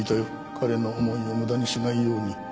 彼の思いを無駄にしないように。